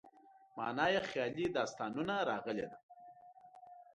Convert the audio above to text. معنا یې خیالي داستانونه راغلې ده.